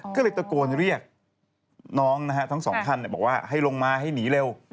ก็เลยตะโกนเรียกน้องนะฮะทั้งสองท่านบอกว่าให้ลงมาให้หนีเร็ว